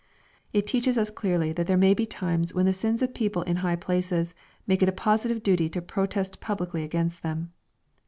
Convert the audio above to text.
It teaches us clearly that there may be times when the sins of people in high places make it a positive duty to protest publicly against them.